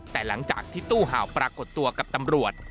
แต่หลังจากที่ตู้เห่าปรากฏตัวกับตำรวจ